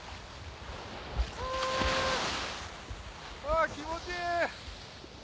あ気持ちいい！